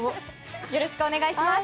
よろしくお願いします。